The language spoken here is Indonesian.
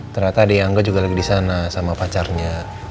ternyata adiknya juga lagi disana sama pacarnya